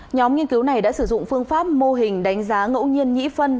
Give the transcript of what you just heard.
nhóm nghiên cứu này đã sử dụng phương pháp mô hình đánh giá ngẫu nhiên nhị phân